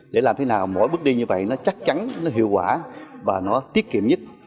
để làm thế nào mỗi bước đi như vậy nó chắc chắn nó hiệu quả và nó tiết kiệm nhất